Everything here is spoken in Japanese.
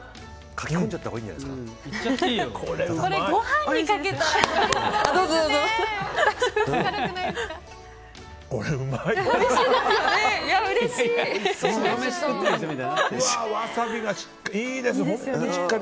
かき込んじゃったほうがいいんじゃないですか？